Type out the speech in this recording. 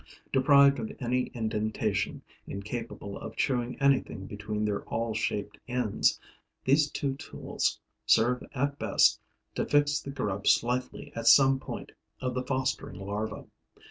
Deprived of any indentation, incapable of chewing anything between their awl shaped ends, these two tools serve at best to fix the grub slightly at some point of the fostering larva.